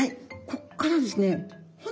こっからですね